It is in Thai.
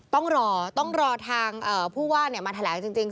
ต้องรอทางผู้ว่ามาแถลงจริง